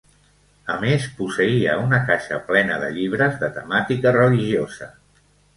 A més posseïa una caixa plena de llibres de temàtica religiosa.